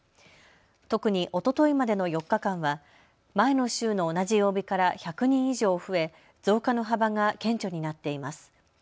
特におとといまでの４日間は前の週の同じ曜日から１００人以上増え、増加の幅が顕著になっています。